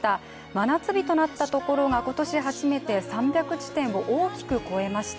真夏日となったところが今年初めて３００地点を大きく超えました。